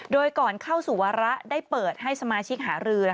โดยก่อนเข้าสู่วาระได้เปิดให้สมาชิกหารือ